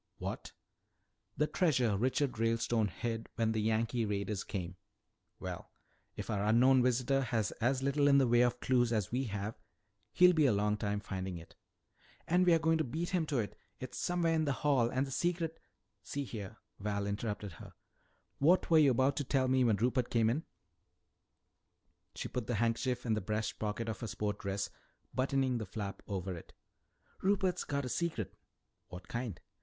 "What?" "The treasure Richard Ralestone hid when the Yankee raiders came." "Well, if our unknown visitor has as little in the way of clues as we have, he'll be a long time finding it." "And we're going to beat him to it! It's somewhere in the Hall, and the secret " "See here," Val interrupted her, "what were you about to tell me when Rupert came in?" She put the handkerchief in the breast pocket of her sport dress, buttoning the flap over it. "Rupert's got a secret." "What kind?"